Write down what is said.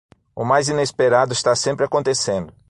O mais inesperado está sempre acontecendo.